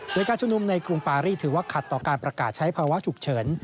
โดยการชุมนุมในกรุงปารีถือว่าขัดต่อการประกาศใช้ภาวะฉุกเฉิน